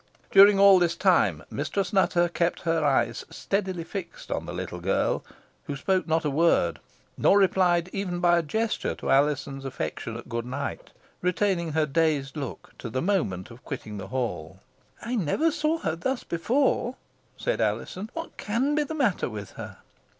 During all this time, Mistress Nutter kept her eyes steadily fixed on the little girl, who spoke not a word, nor replied even by a gesture to Alizon's affectionate good night, retaining her dazed look to the moment of quitting the hall. "I never saw her thus before," said Alizon. "What can be the matter with her?"